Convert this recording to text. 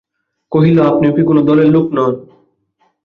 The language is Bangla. কহিল, আপনিও কি কোনো দলের লোক নন?